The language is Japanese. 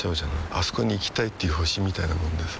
あそこに行きたいっていう星みたいなもんでさ